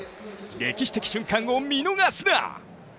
歴史的瞬間を見逃すな。